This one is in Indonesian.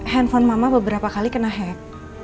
handphone mama beberapa kali kena hack